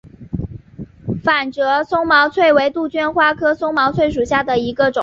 反折松毛翠为杜鹃花科松毛翠属下的一个种。